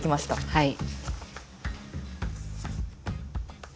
はい。